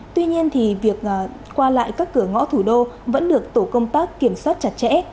tuy nhiên thì việc qua lại các cửa ngõ thủ đô vẫn được tổ công tác kiểm soát chặt chẽ